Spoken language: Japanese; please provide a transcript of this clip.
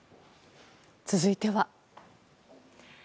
続いては。